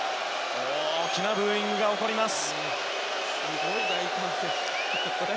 大きなブーイングが起こります。